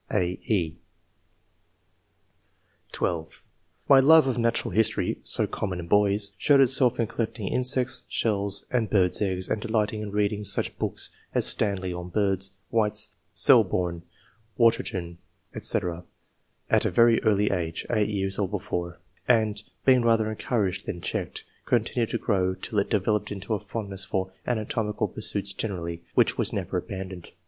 (a, e) (12) "My love of natural history (so common in boys) showed itself in collecting insects, shells, and birds' eggs, and delighting in reading such books as Stanley on Birds, White's Selbome, Waterton, &c,, at a very early age (8 years or before), and being rather encouraged than checked, continued to grow till it developed into a fondness for anatomical pursuits generally, which was never abandoned.